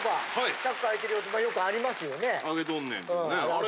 「チャック開いてるよ」とかよくありますよね。